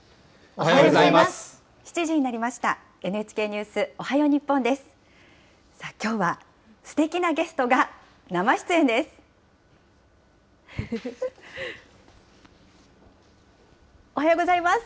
おはようございます。